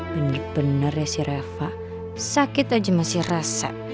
bener bener ya si reva sakit aja masih resep